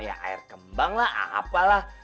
ya air kembang lah apalah